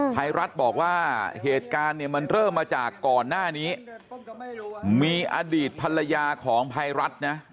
ภัยรัฐบอกว่าเหตุการณ์เนี่ยมันเริ่มมาจากก่อนหน้านี้มีอดีตภรรยาของภัยรัฐนะ